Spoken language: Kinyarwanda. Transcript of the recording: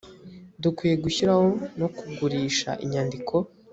dukwiye gushyiraho no kugurisha inyandiko